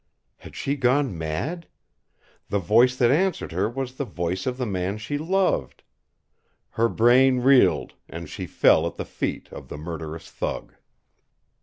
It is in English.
Had she gone mad? The voice that answered her was the voice of the man she loved. Her brain reeled and she fell at the feet of the murderous thug.